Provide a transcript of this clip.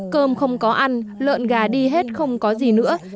cơm không có ăn lợn gà đi hết không có gì nữa